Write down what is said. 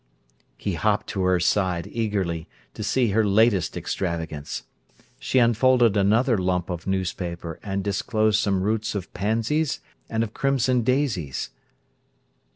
He hopped to her side eagerly, to see her latest extravagance. She unfolded another lump of newspaper and disclosed some roots of pansies and of crimson daisies.